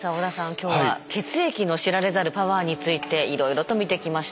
今日は血液の知られざるパワーについていろいろと見てきました。